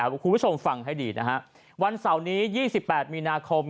คุณผู้ชมฟังให้ดีนะฮะวันเสาร์นี้๒๘มีนาคม